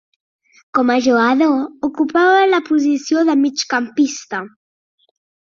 Com a jugador, ocupava la posició de migcampista.